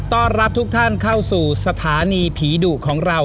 ต้อนรับทุกท่านเข้าสู่สถานีผีดุของเรา